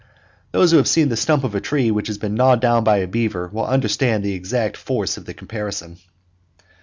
Those who have seen the stump of a tree which has been gnawed down by a beaver will understand the exact force of the comparison.